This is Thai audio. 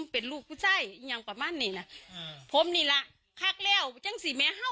พอดีริซ